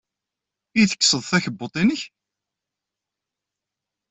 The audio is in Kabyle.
I tekkseḍ takebbuḍt-nnek?